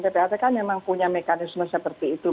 ppatk memang punya mekanisme seperti itu